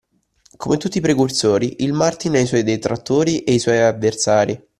Come tutti i precursori, il Martin ha i suoi detrattori e i suoi avversari.